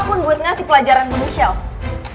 apapun buat ngasih pelajaran ke michelle